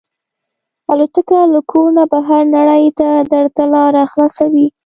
الوتکه له کور نه بهر نړۍ ته درته لاره خلاصوي.